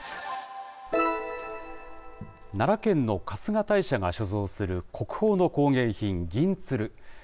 奈良県の春日大社が所蔵する国宝の工芸品、銀鶴。